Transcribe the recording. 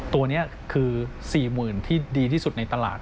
ตัวนี้คือ๔๐๐๐ที่ดีที่สุดในตลาด